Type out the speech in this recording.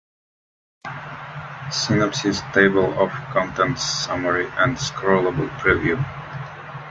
Synopsis, Table of Contents Summary and scrollable preview.